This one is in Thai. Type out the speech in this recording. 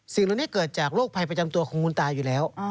เหล่านี้เกิดจากโรคภัยประจำตัวของคุณตาอยู่แล้ว